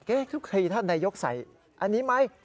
เก๊ทุกทีท่านนายกใส่อันนี้ไหม